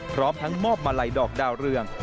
พร้อมทั้งมอบมาลัยดอกดาวเรือง